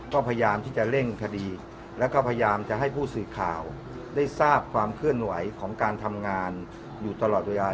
ก็พยายามที่จะเร่งคดีแล้วก็พยายามจะให้ผู้สื่อข่าวได้ทราบความเคลื่อนไหวของการทำงานอยู่ตลอดเวลา